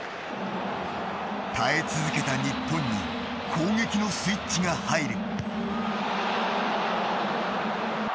耐え続けた日本に攻撃のスイッチが入る。